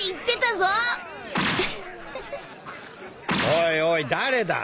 おいおい誰だ？